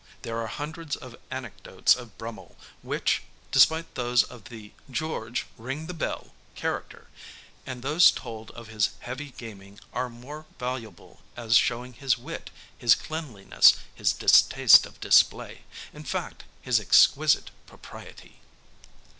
There are hundreds of anecdotes of Brummell which, despite those of the 'George, ring the bell' character, and those told of his heavy gaming, are more valuable as showing his wit, his cleanliness, his distaste of display in fact, his 'exquisite propriety.'